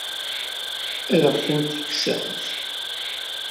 Ad aɣ-ten-tekksemt?